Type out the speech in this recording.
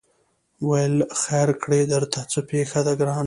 ویل خیر کړې درته څه پېښه ده ګرانه